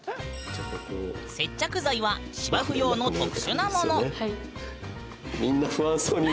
接着剤は芝生用の特殊なもの。